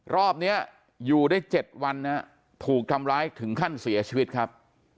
รอบนี้อยู่ได้๗วันนะฮะถูกทำร้ายถึงขั้นเสียชีวิตครับ